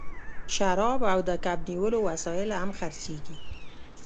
شراب او د کب نیولو وسایل هم خرڅیږي